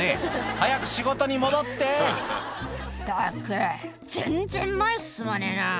早く仕事に戻って「ったく全然前進まねえな」